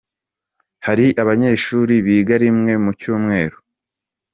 Hari abanyeshuri biga rimwe mu cyumweru.